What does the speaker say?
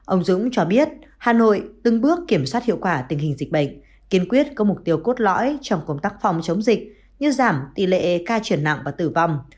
ông dũng cho biết hà nội từng bước kiểm soát hiệu quả tình hình dịch bệnh kiên quyết có mục tiêu cốt lõi trong công tác phòng chống dịch như giảm tỷ lệ ca chuyển nặng và tử vong